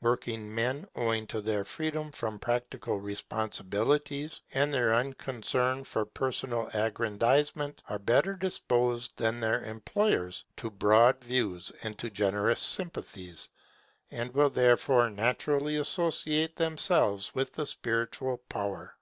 Working men, owing to their freedom from practical responsibilities and their unconcern for personal aggrandisement, are better disposed than their employers to broad views and to generous sympathies, and will therefore naturally associate themselves with the spiritual power.